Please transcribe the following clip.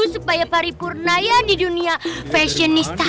supaya paripurna ya di dunia fashionista